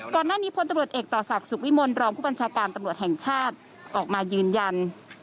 ก่อนหน้านี้พลตำรวจเอกต่อศักดิ์สุขวิมลรองผู้บัญชาการตำรวจแห่งชาติออกมายืนยัน